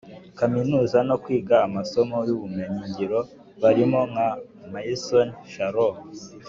kaminuza no kwiga amasomo y ubumenyingiro barimo nka Maison Shalom